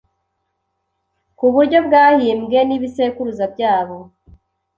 ku buryo bwahimbwe nibisekuruza byabo